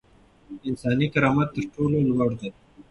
انساني کرامت تر ټولو لوړ دی.